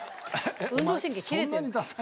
運動神経切れてる。